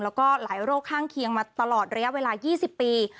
แล้วก็หลายโรคข้างเคียงมาตลอดระยะเวลา๒๐ปี